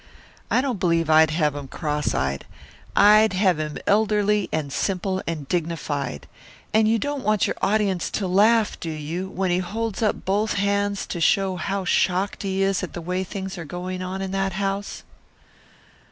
I don't believe I'd have him cross eyed. I'd have him elderly and simple and dignified. And you don't want your audience to laugh, do you, when he holds up both hands to show how shocked he is at the way things are going on in that house?"